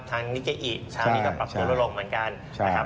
ทางนิเกอิตทางนี้ก็ปรับตัวลดลงเหมือนกัน